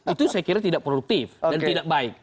itu saya kira tidak produktif dan tidak baik